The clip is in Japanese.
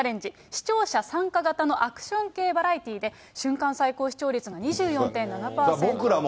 視聴者参加型のアクション系バラエティーで、瞬間最高視聴率が２４．７％。